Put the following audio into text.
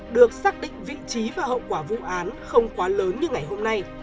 được xác định vị trí và hậu quả vụ án không quá lớn như ngày hôm nay